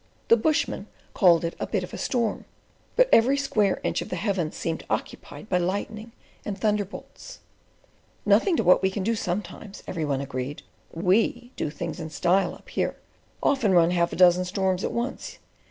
The bushmen called it a "bit of a storm"; but every square inch of the heavens seemed occupied by lightning and thunder bolts. "Nothing to what we can do sometimes," every one agreed. "WE do things in style up here—often run half a dozen storms at once.